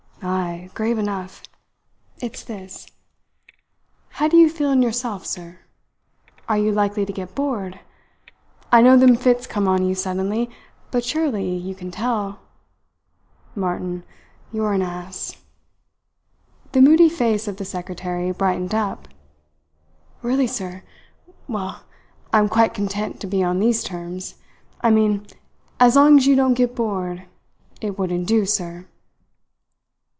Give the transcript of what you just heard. "Ay, grave enough. It's this how do you feel in yourself, sir? Are you likely to get bored? I know them fits come on you suddenly; but surely you can tell " "Martin, you are an ass." The moody face of the secretary brightened up. "Really, sir? Well, I am quite content to be on these terms I mean as long as you don't get bored. It wouldn't do, sir."